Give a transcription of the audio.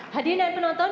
hadirin dan penonton